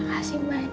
aku sair ofis terang